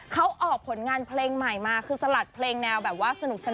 เขาออกผลงานเพลงใหม่มาคือสลัดเพลงแนวแบบว่าสนุก